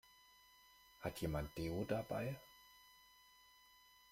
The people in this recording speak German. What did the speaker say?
Hat jemand Deo dabei?